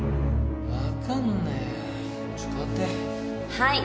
はい。